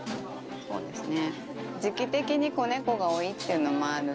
そうですね。